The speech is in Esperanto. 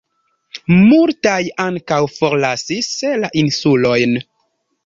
Multaj ankaŭ forlasis la insulojn.